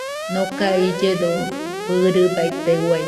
Nokae illedo fɨirɨbaite, uiade